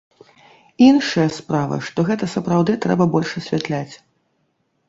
Іншая справа, што гэта сапраўды трэба больш асвятляць.